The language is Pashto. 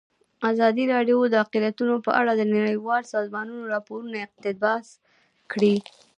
ازادي راډیو د اقلیتونه په اړه د نړیوالو سازمانونو راپورونه اقتباس کړي.